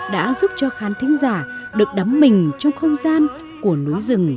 đã giúp cho khán thính giả được đắm mình trong không gian của núi rừng